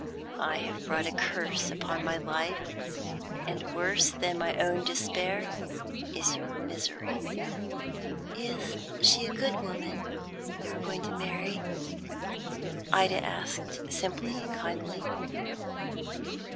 I have brought a curse upon my life, and worse than my own despair is your misery." "Is she a good woman you are going to marry?" Ida asked simply and kindly.